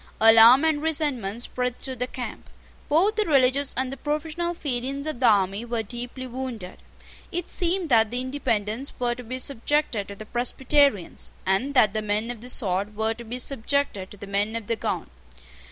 Alarm and resentment spread through the camp. Both the religious and the professional feelings of the army were deeply wounded. It seemed that the Independents were to be subjected to the Presbyterians, and that the men of the sword were to be subjected to the men of the gown.